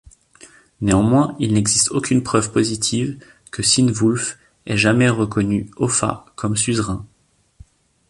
Néanmoins, il n'existe aucune preuve positive que Cynewulf ait jamais reconnu Offa comme suzerain.